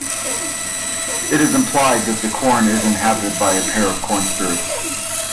It is implied that the corn is inhabited by a pair of corn spirits.